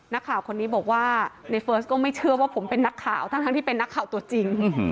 นักข่าวคนนี้บอกว่าในเฟิร์สก็ไม่เชื่อว่าผมเป็นนักข่าวทั้งที่เป็นนักข่าวตัวจริง